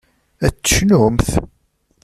Ad tecnumt?